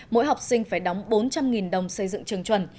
mỗi học sinh phải đóng bốn trăm linh đồng xây dựng trường chuẩn